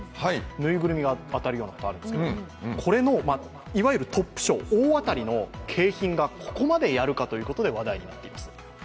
ぬいぐるみが当たるようなことがあるんですけど、これのいわゆるトップ賞大当たりの景品がここまでやるかということで話題になっています。